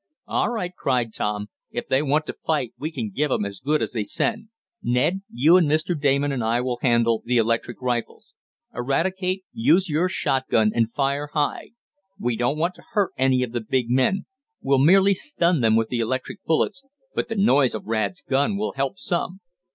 "All right!" cried Tom. "If they want to fight we can give 'em as good as they send. Ned, you and Mr. Damon and I will handle the electric rifles. Eradicate, use your shotgun, and fire high. We don't want to hurt any of the big men. We'll merely stun them with the electric bullets, but the noise of Rad's gun will help some."